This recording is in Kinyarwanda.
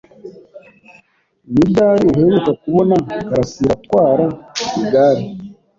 Ni ryari uheruka kubona Karasiraatwara igare?